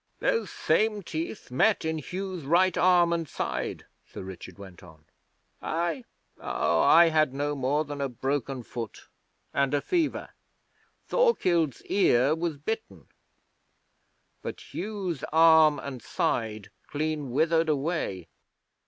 'Those same teeth met in Hugh's right arm and side,' Sir Richard went on. 'I? Oh, I had no more than a broken foot and a fever. Thorkild's ear was bitten, but Hugh's arm and side clean withered away.